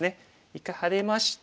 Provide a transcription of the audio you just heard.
一回ハネまして。